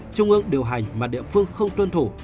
trung ương điều hành mà địa phương không tuân thủ